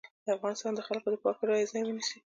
د افغانستان د خلکو د پاکو رايو ځای ونيسي.